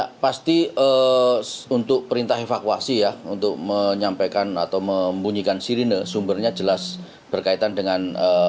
ya pasti untuk perintah evakuasi ya untuk menyampaikan atau membunyikan sirine sumbernya jelas berkaitan dengan